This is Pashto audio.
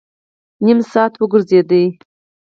نیم ساعت وګرځېدو.